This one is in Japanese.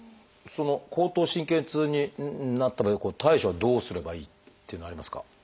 その後頭神経痛になったら対処はどうすればいいっていうのはありますか？